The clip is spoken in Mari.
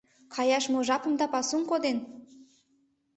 Каяш мо жапым да пасум коден?